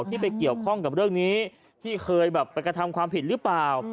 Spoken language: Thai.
ที่ไปเกี่ยวข้องกับเรื่องนี้ที่เคยแบบไปกระทำความผิดหรือเปล่า